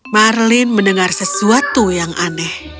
marlin mendengar sesuatu yang aneh